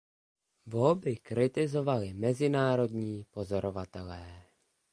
Volby kritizovali mezinárodní pozorovatelé.